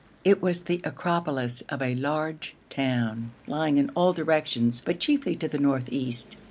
It was the acropolis of a large town, lying in all directions, but chiefly to the north east.